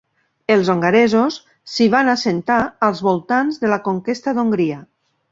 Els hongaresos s'hi van assentar als voltants de la conquesta d'Hongria.